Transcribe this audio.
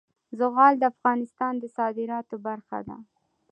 زغال د افغانستان د صادراتو برخه ده.